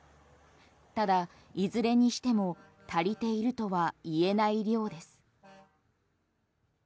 ただ、いずれにしても足りているとは言えない量です。